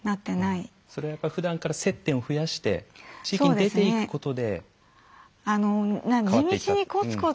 それはふだんから接点を増やして地域に出ていくことで変わっていった。